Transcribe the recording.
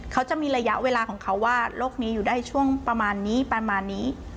เขาจะมีระยะเวลาของเขาว่าโรคนี้อยู่ได้ช่วงประมาณนี้ประมาณนี้